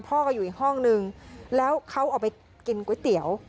พ่อก็อยู่อีกห้องนึงแล้วเขาออกไปกินก๋วยเตี๋ยว